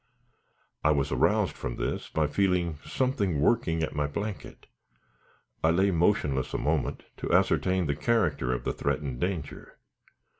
I was aroused from this by feeling something working at my blanket. I lay motionless a moment to ascertain the character of the threatened danger.